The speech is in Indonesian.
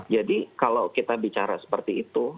jadi kalau kita bicara seperti itu